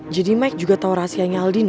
jadi maik juga tau rahasianya aldino